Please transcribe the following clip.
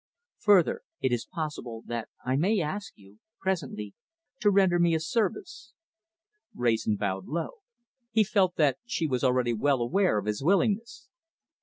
Further it is possible that I may ask you presently to render me a service." Wrayson bowed low. He felt that she was already well aware of his willingness.